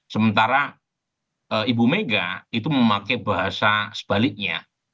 sementara ibu mega itu memakai bahasa sebaliknya